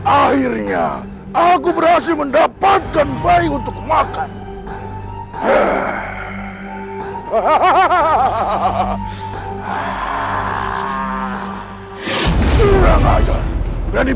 akhirnya aku berhasil mendapatkan bayi untuk makan